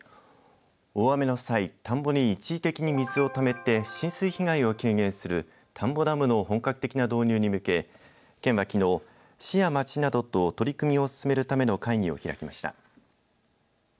大雨の際、田んぼに一時的に水をためて浸水被害を軽減する田んぼダムの本格的な導入に向けて県はきのう、市や町などと取り組みを進めるための会議を開きました。